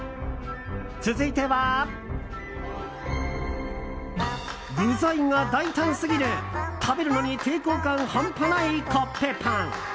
続いては、具材が大胆すぎる食べるのに抵抗感半端ないコッペパン。